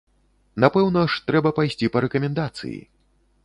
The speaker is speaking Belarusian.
Напэўна ж, трэба пайсці па рэкамендацыі.